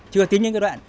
chưa tính những cái đoạn